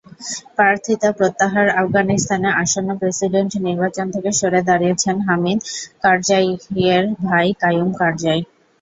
প্রার্থিতা প্রত্যাহারআফগানিস্তানে আসন্ন প্রেসিডেন্ট নির্বাচন থেকে সরে দাঁড়িয়েছেন হামিদ কারজাইয়ের ভাই কাইয়ুম কারজাই।